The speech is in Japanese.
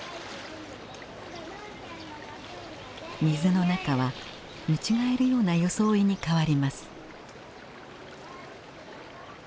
水の中は見違えるような装いに変わります。